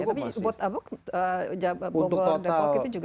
tapi jabodetabek itu juga termasuk